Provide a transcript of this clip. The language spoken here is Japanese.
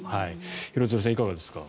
廣津留さん、いかがですか？